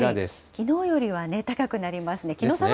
きのうよりは高くなりますね。